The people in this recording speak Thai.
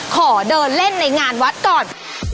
ขอเดินเล่นในงานวัดก่อน